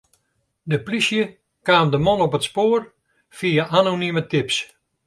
De plysje kaam de man op it spoar fia anonime tips.